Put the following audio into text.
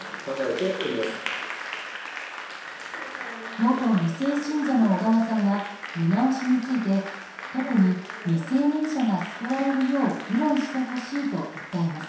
元２世信者の小川さんは見直しについて特に未成年者が救われるよう議論してほしいと訴えます。